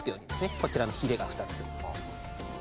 こちらのヒレが２つ。